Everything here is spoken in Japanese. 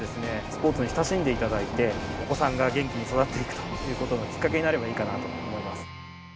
スポーツに親しんで頂いてお子さんが元気に育っていくという事のきっかけになればいいかなと思います。